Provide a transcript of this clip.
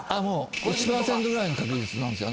１％ぐらいの確率なんですよ